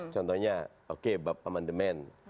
contohnya oke bapak aman demand